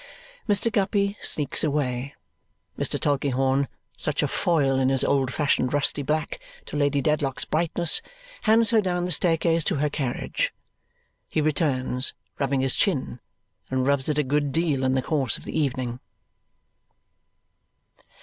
Mr. Guppy sneaks away. Mr. Tulkinghorn, such a foil in his old fashioned rusty black to Lady Dedlock's brightness, hands her down the staircase to her carriage. He returns rubbing his chin, and rubs it a good deal in the course of the evening.